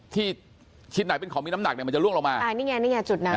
ที่ชิ้นไหนเป็นของมีน้ำหนักเนี่ยมันจะล่วงลงมาอ่านี่ไงนี่ไงจุดนั้น